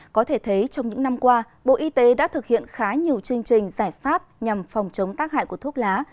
có thể thấy trong những năm qua bộ y tế đã thực hiện khá nhiều chương trình giải pháp nhằm phòng chống tác hại của thuốc lá